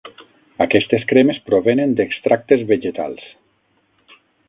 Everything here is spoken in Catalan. Aquestes cremes provenen d'extractes vegetals.